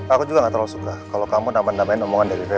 aku juga gak terlalu suka kalau kamu nama namain omongan dari reina